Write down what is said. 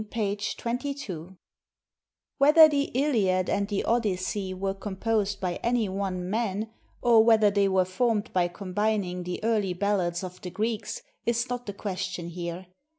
1 780 1867) Whether the Iliad and the Odyssey were composed by any one man, or whether they were formed by combining the early ballads of the Greeks, is not the question here.